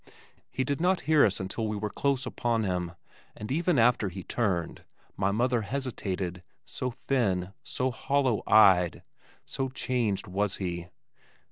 He did not hear us until we were close upon him, and even after he turned, my mother hesitated, so thin, so hollow eyed, so changed was he.